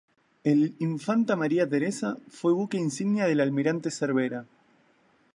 El "Infanta María Teresa" fue buque insignia del Almirante Cervera.